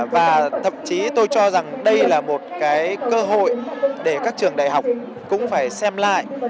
và thậm chí tôi cho rằng đây là một cơ hội để các trường đại học cũng phải xem lại